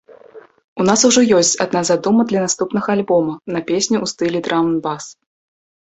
У нас ужо ёсць адна задума для наступнага альбома на песню ў стылі драм-н-бас.